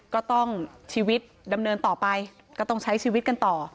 ก็ต้องชีวิตดำเนินต่อไปก็ต้องใช้ชีวิตกันต่อ